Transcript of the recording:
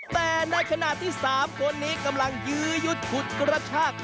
แต่ในขณะที่๓คนนี้กำลังยื้อยุดฉุดกระชาก